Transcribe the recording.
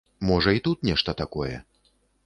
Можа, і тут нешта такое.